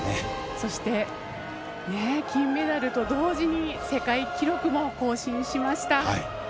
そして、金メダルと同時に世界記録も更新しました。